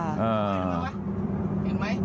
อ่า